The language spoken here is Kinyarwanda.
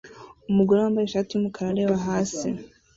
Umugore wambaye ishati yumukara areba hasi